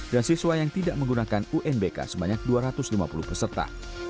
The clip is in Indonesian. dan siswa yang tidak menggunakan unbk sebanyak dua ratus lima puluh peserta